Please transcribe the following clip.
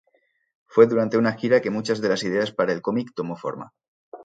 Fue durante una gira que muchas de las ideas para el comic tomó forma.